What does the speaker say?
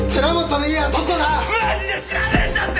マジで知らねえんだって！